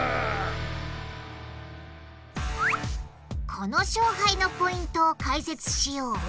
この勝敗のポイントを解説しようお願いします！